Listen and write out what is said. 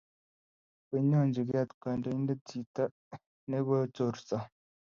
koinyochi kaat kandoinde chito ne kochorso